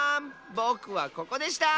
ぼくはここでした！